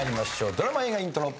ドラマ・映画イントロ。